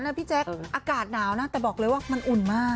พี่แจ๊คอากาศหนาวนะแต่บอกเลยว่ามันอุ่นมาก